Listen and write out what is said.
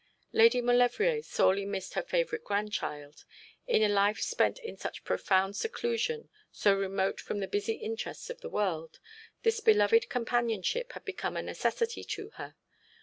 Lady Maulevrier sorely missed her favourite grandchild. In a life spent in such profound seclusion, so remote from the busy interests of the world, this beloved companionship had become a necessity to her.